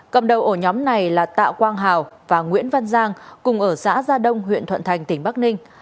cầm đầu ổ nhóm này là tạ quang hào và nguyễn văn giang cùng ở xã gia đông huyện thuận thành tỉnh bắc ninh